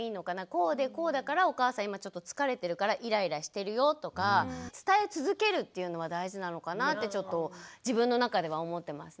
こうでこうだからお母さん今ちょっと疲れてるからイライラしてるよとか伝え続けるっていうのは大事なのかなってちょっと自分の中では思ってますね。